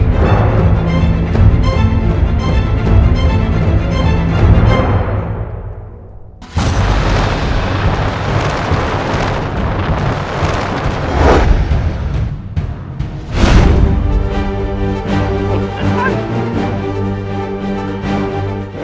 bapak dia sepenas ini